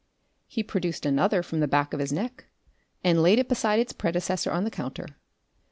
He produced another from the back of his neck, and laid it beside its predecessor on the counter.